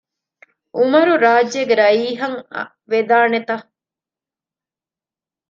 އުމަރު ރާއްޖޭގެ ރައީހަށް ވެދާނެތަ؟